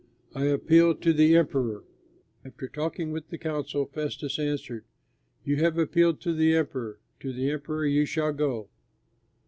I appeal to the Emperor!" After talking with the council, Festus answered, "You have appealed to the Emperor, to the Emperor you shall go."